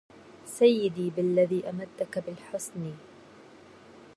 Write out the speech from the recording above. سيدي بالذي أمدك بالحسن